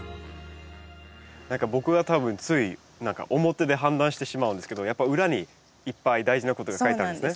何か僕は多分つい表で判断してしまうんですけどやっぱ裏にいっぱい大事なことが書いてあるんですね。